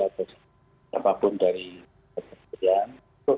atau siapapun dari kementerian